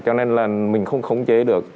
cho nên là mình không khống chế được